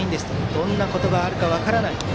どんなことがあるか分からない。